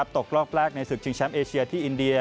ตกรอบแรกในศึกชิงแชมป์เอเชียที่อินเดีย